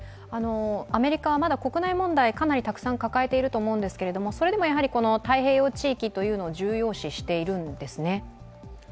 アメリカはまだ国内問題かなりたくさん抱えていると思うんですけれどもそれでもやはり太平洋地域を重要視しているんですね？